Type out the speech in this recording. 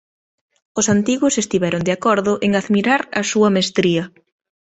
Os antigos estiveron de acordo en admirar a súa mestría.